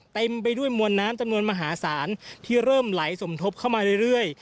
เต็มไปด้วยมวลน้ำจำนวนมหาศาลที่เริ่มไหลสมทบเข้ามาเรื่อย